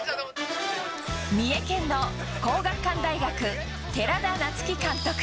三重県の皇學館大学、寺田夏生監督。